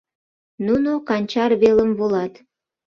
Нуно Канчар велым волат.